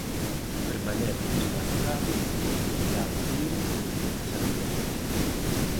Permanece en estado grave no Hospital Clínico de Santiago.